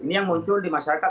ini yang muncul di masyarakat